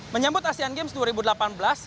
menyambut asean games dua ribu delapan belas